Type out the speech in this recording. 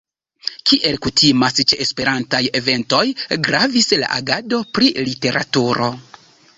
Kiel kutimas ĉe esperantaj eventoj gravis la agado pri literaturo.